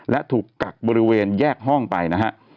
และถูกกักบริเวณแยกห้องไปนะฮะ